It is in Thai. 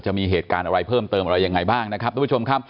จะมีเหตุการณ์อะไรเพิ่มเติมอะไรยังไงบ้างนะครับทุกผู้ชมครับ